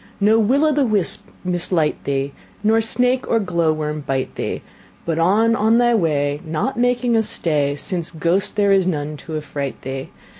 "No Will o' the Wisp mislight thee; Nor snake or glow worm bite thee; But on, on thy way, Not making a stay, Since ghost there is none to affright thee.